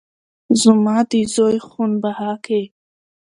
زما د زوى خون بها کې